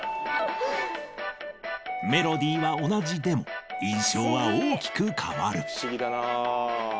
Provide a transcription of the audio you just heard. メロディーは同じでも印象は大きく変わる不思議だなぁ。